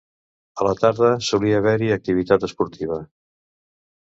A la tarda solia haver-hi activitat esportiva.